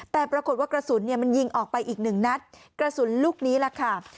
แต่ปรากฏกระสุนมันยิงออกไปอีกหนึ่งนัดกระสุนลูกนี้ล่ะค่ะ